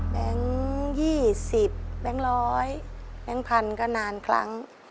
เบง๒๐เบงร้อยเบงพันธุ์ก็นานครั้ง